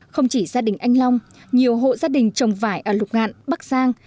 không chỉ gia đình anh long nhiều hộ gia đình trồng vải ở lục ngạn bắc giang